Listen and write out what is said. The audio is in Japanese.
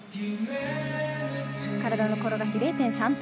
体の転がし０．３点。